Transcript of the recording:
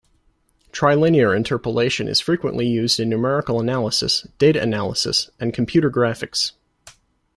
Trilinear interpolation is frequently used in numerical analysis, data analysis, and computer graphics.